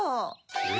え？